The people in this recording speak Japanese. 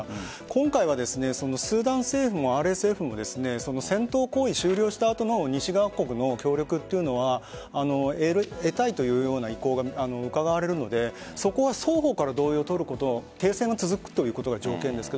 今回はスーダン政府も戦闘行為が終了した西側国の協力は得たいという意向がうかがわれるのでそこは双方から同意を取ることと停戦が続くということが条件ですが。